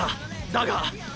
だが！！